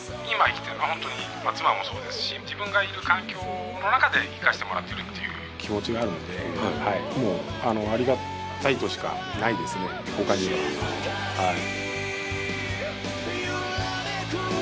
今生きてるのは本当に妻もそうですし自分がいる環境の中で生かしてもらってるっていう気持ちがあるのでもうありがたいとしかないですねほかには。